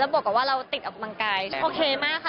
บวกกับว่าเราติดออกกำลังกายโอเคมากค่ะ